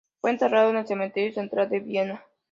Fue enterrado en el Cementerio central de Viena.